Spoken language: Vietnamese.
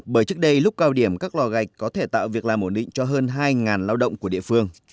bởi trước đây lúc cao điểm các lò gạch có thể tạo việc làm ổn định cho hơn hai lao động của địa phương